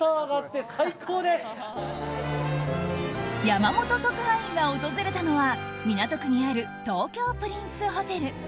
山本特派員が訪れたのは港区にある東京プリンスホテル。